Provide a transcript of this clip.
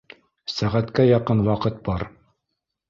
Сәғәткә яҡын ваҡыт бар